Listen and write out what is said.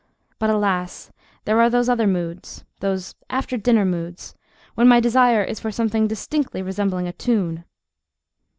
But, alas! there are those other moods—those after dinner moods—when my desire is for something distinctly resembling a tune.